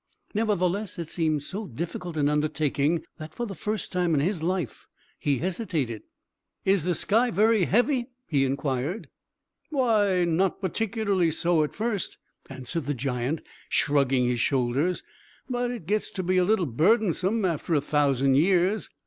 Nevertheless, it seemed so difficult an undertaking that, for the first time in his life, he hesitated. "Is the sky very heavy?" he inquired. "Why, not particularly so, at first," answered the giant, shrugging his shoulders. "But it gets to be a little burdensome after a thousand years!"